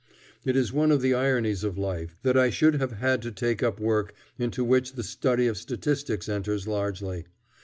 It is one of the ironies of life that I should have had to take up work into which the study of statistics enters largely.